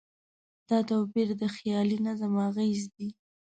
دا توپیر د خیالي نظم اغېز دی.